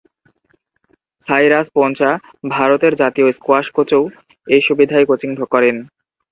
Cyrus Poncha ভারতের জাতীয় squash কোচও এই সুবিধায় কোচিং করেন।